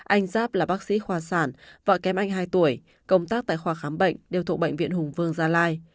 anh giáp là bác sĩ khoa sản vợ kém anh hai tuổi công tác tại khoa khám bệnh đều thuộc bệnh viện hùng vương gia lai